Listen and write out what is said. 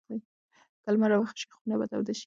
که لمر راوخېژي خونه به توده شي.